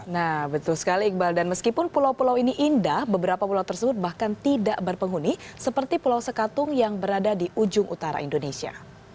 nah betul sekali iqbal dan meskipun pulau pulau ini indah beberapa pulau tersebut bahkan tidak berpenghuni seperti pulau sekatung yang berada di ujung utara indonesia